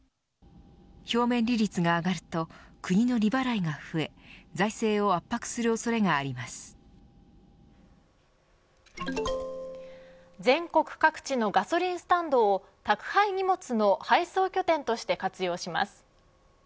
表面利率が上がると国の利払いが増え全国各地のガソリンスタンドを宅配荷物の配送拠点として活用します。